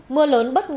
mưa lớn bất ngờ